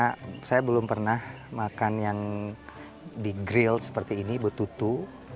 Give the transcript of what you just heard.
karena saya belum pernah makan yang di grill seperti ini petutu